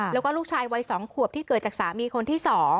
แล้วก็ลูกชายวัย๒ขวบที่เกิดจากสามีคนที่๒